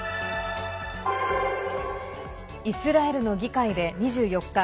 イスラエルの議会で２４日